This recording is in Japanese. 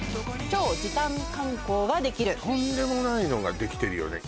超時短観光ができるとんでもないのができてるよね